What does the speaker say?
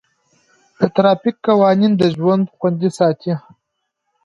د ټرافیک قوانین د ژوند خوندي ساتي.